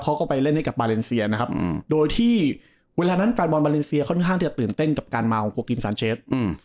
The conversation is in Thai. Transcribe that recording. เขาก็ไปเล่นให้กับบาเลนเซียนะครับโดยที่เวลานั้นแฟนบอลมาเลเซียค่อนข้างที่จะตื่นเต้นกับการมาของโกกิมซานเชฟ